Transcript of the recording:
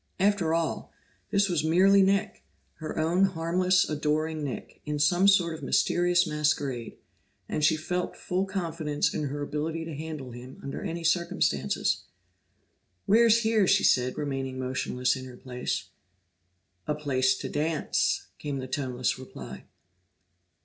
After all, this was merely Nick, her own harmless, adoring Nick, in some sort of mysterious masquerade, and she felt full confidence in her ability to handle him under any circumstances. "Where's here?" she said, remaining motionless in her place. "A place to dance," came the toneless reply.